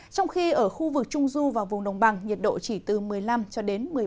trong khi ở khu vực trung du và vùng đồng bằng nhiệt độ chỉ từ một mươi năm một mươi bảy độ